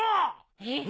えっ？